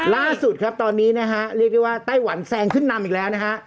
ล่าสุดครับตอนนี้นะฮะเรียกได้ว่าไต้หวันแซงขึ้นนำอีกแล้วนะฮะ